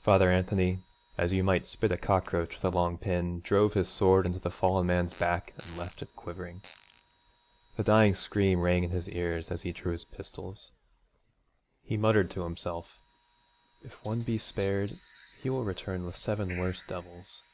Father Anthony, as you might spit a cockroach with a long pin, drove his sword in the fallen man's back and left it quivering. The dying scream rang in his ears as he drew his pistols. He muttered to himself: 'If one be spared he win return with seven worse devils.